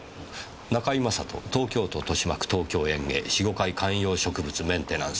「中井雅人東京都豊島区東京園芸」「４・５階観葉植物メンテナンス